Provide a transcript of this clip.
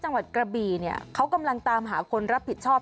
จังหวัดกระบี่เนี่ยเขากำลังตามหาคนรับผิดชอบ